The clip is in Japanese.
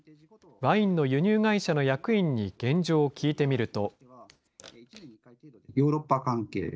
ワインの輸入会社の役員に現状を聞いてみると。